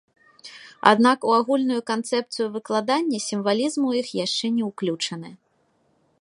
Аднак у агульную канцэпцыю выкладання сімвалізм у іх яшчэ не ўключаны.